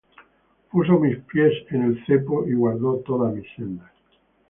Puso mis pies en el cepo, Y guardó todas mis sendas.